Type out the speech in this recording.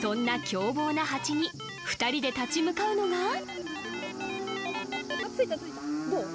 そんな凶暴なハチに２人で立ち向かうのがどう？